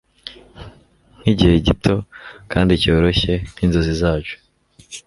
Nkigihe gito kandi cyoroshye nkinzozi zacu